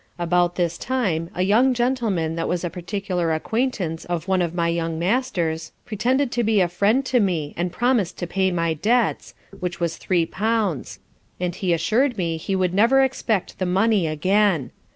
About this time a young Gentleman that was a particular acquaintance of one of my young Master's, pretended to be a friend to me, and promis'd to pay my debts, which was three pounds; and he assur'd me he would never expect the money again.